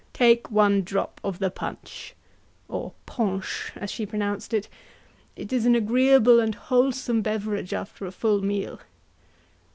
Take one drop of the punch" (or ponche, as she pronounced it); "it is an agreeable and wholesome beverage after a full meal."